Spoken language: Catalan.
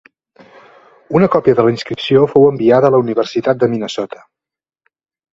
Una còpia de la inscripció fou enviada a la Universitat de Minnesota.